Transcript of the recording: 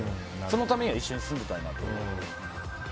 そのためには一緒に住んでたいなと。